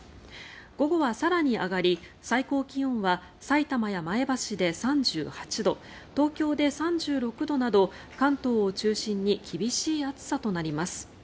午後は更に上がり最高気温は埼玉や前橋で３８度東京で３６度など関東を中心に厳しい暑さとなります。